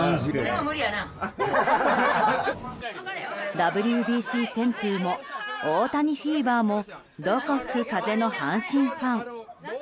ＷＢＣ旋風も大谷フィーバーもどこ吹く風の阪神ファン。